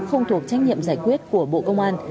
không thuộc trách nhiệm giải quyết của bộ công an